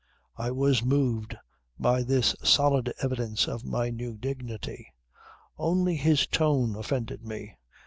I was moved by this solid evidence of my new dignity. Only his tone offended me.